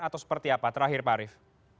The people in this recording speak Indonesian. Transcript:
atau seperti apa terakhir pak arief